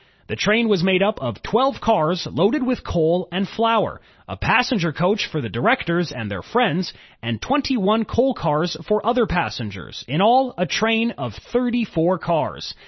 The train was made up of twelve cars loaded with coal and flour, a passenger coach for the directors and their friends, and twenty one coal cars for other passengers, in all a train of thirty four cars.